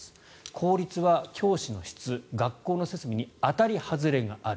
公立は教師の質、学校の設備に当たり外れがある。